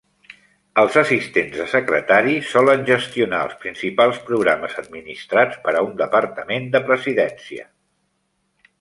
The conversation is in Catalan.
Els assistents de secretari solen gestionar els principals programes administrats per un departament de Presidència.